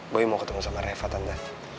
boy mau ketemu sama reva tante